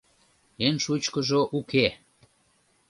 «Эн шучкыжо уке!